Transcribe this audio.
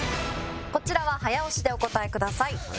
こちらは早押しでお答えください。